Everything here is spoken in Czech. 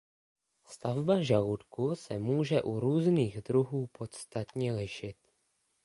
Stavba žaludku se může u různých druhů podstatně lišit.